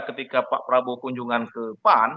ketika pak prabowo kunjungan ke pan